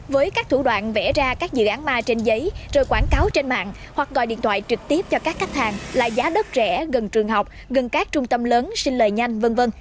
với các thủ đoạn vẽ ra các dự án ma trên giấy rồi quảng cáo trên mạng hoặc gọi điện thoại trực tiếp cho các khách hàng là giá đất rẻ gần trường học gần các trung tâm lớn xin lời nhanh v v